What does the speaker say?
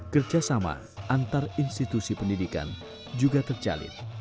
kerjasama antar institusi pendidikan juga terjalin